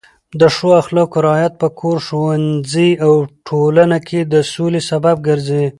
د ښو اخلاقو رعایت په کور، ښوونځي او ټولنه کې د سولې سبب ګرځي.